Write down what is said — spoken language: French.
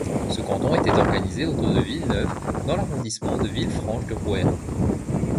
Ce canton était organisé autour de Villeneuve dans l'arrondissement de Villefranche-de-Rouergue.